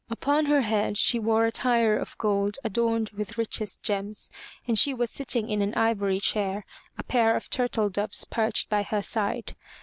Upon her head she wore a tire of gold adorned with richest gems, and she was sitting in an ivory chair, a pair of turtle doves perched by her side.